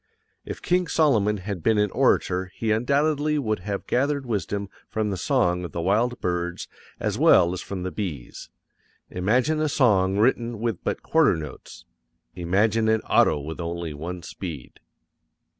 If King Solomon had been an orator he undoubtedly would have gathered wisdom from the song of the wild birds as well as from the bees. Imagine a song written with but quarter notes. Imagine an auto with only one speed.